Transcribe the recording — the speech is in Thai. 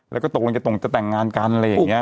แล้วก็ตกลงจะตรงจะแต่งงานกันอะไรอย่างนี้